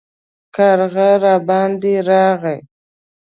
کارغه راباندې راغی